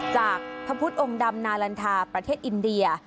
จากพระพุทธองค์ดำนาลันทาประเทศอินเดีย